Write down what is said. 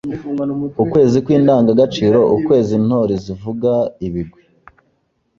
Ukwezi kw’indangagaciro: Ukwezi Intore zivuga ibigwi